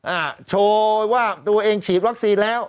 อ่าโชว์ว่าตัวเองฉีดวัคซีนแล้ว